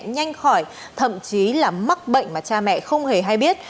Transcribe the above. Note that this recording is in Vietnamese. nhanh khỏi thậm chí là mắc bệnh mà cha mẹ không hề hay biết